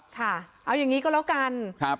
ค่ะเอาอย่างนี้ก็แล้วกัน